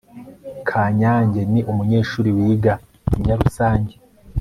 kanyange ni umunyeshuri wiga i nyaeusange